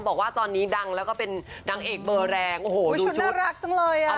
บอกว่าตอนนี้ดังแล้วก็เป็นนางเอกเบอร์แรงโอ้โหชุดน่ารักจังเลยอ่ะ